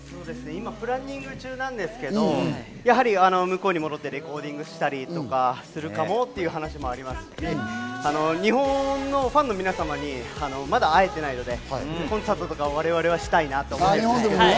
今、プランニング中なんですけど、やはり向こうに戻ってレコーディングしたりとか、そうするかもっていう話もありますし、日本のファンの皆様にまだ会えていないので、コンサートとかしたいなと思っています。